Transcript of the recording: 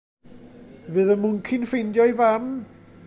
Fydd y mwnci'n ffeindio'i fam?